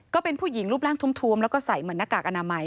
ก็เป็นผู้หญิงรูปร่างทวมแล้วก็ใส่เหมือนหน้ากากอนามัย